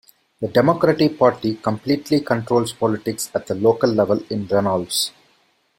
The Democratic Party completely controls politics at the local level in Reynolds.